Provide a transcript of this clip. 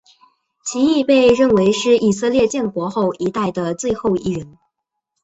其亦被认为是以色列建国一代的最后一人。